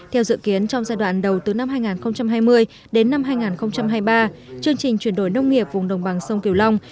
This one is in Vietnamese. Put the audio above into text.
theo dự kiến trong giai đoạn đầu từ năm hai nghìn hai mươi đến năm hai nghìn hai mươi ba chương trình chuyển đổi nông nghiệp vùng đồng bằng sông kiều long